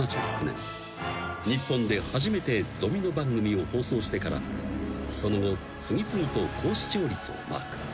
日本で初めてドミノ番組を放送してからその後次々と高視聴率をマーク］